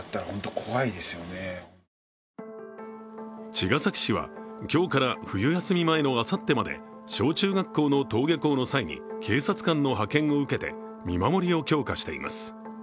茅ヶ崎市は、今日から冬休み前のあさってまで小中学校の登下校の際に警察官の派遣を受けて見守りを強化しています。